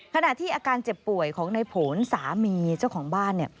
ขณะที่อาการเจ็บป่วยของในผลสามีเจ้าของบ้าน